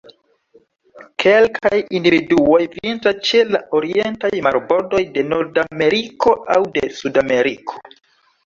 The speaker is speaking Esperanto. Kelkaj individuoj vintras ĉe la orientaj marbordoj de Nordameriko aŭ de Sudameriko.